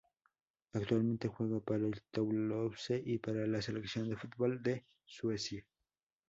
Actualmente juega para el Toulouse y para la selección de fútbol de Suecia.